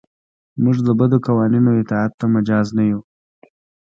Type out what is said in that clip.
موږ د بدو قوانینو اطاعت ته مجاز نه یو.